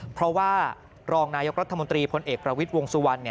เพราะว่ารองนายกรัฐมนตรีพลเอกประวิทย์วงสุวรรณ